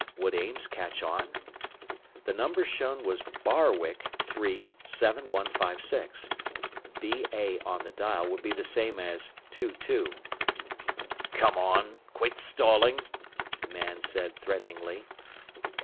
Would Ames catch on? The number shown was BArwick 3 7156. BA on the dial would be the same as "2, 2." "Come on! Quit stalling!" the man said threateningly.